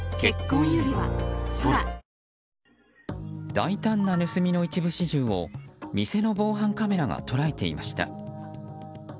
大胆な盗みの一部始終を店の防犯カメラが捉えていました。